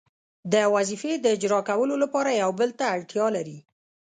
د وظیفې د اجرا کولو لپاره یو بل ته اړتیا لري.